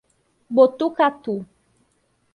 Botucatu